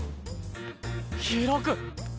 開く！